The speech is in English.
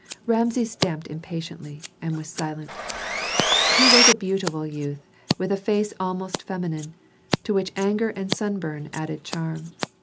Rameses stamped impatiently, and was silent. He was a beautiful youth, with a face almost feminine, to which anger and sunburn added charm.